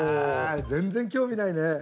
全然興味ないね。